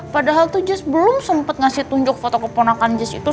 padahal tuh jess belum sempet ngasih tunjuk foto keponakan jess itu